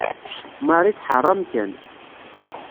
Marie tḥeṛṛ amkan.